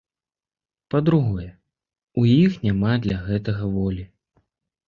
Па-другое, у іх няма для гэтага волі.